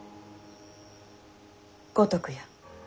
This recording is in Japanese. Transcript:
五徳や。